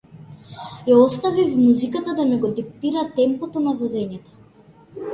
Ја оставив музиката да ми го диктира темпото на возењето.